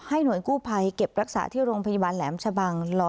หน่วยกู้ภัยเก็บรักษาที่โรงพยาบาลแหลมชะบัง